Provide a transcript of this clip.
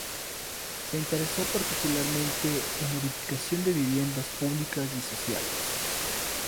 Se interesó particularmente en la edificación de viviendas públicas y sociales.